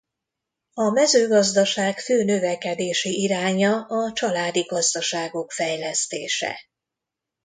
A mezőgazdaság fő növekedési iránya a családi gazdaságok fejlesztése.